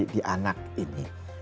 di anak ini